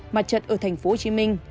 mặt trận ở thành phố hồ chí minh